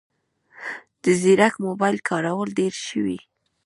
د ځیرک موبایل کارول ډېر شوي